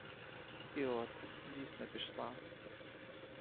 І от, дійсно пішла.